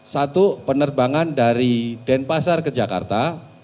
satu penerbangan dari denpasar ke jakarta